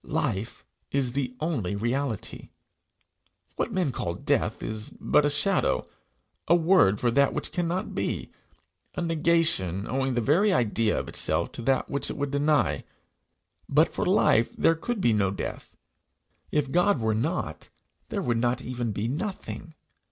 Life is the only reality; what men call death is but a shadow a word for that which cannot be a negation, owing the very idea of itself to that which it would deny. But for life there could be no death. If God were not, there would not even be nothing.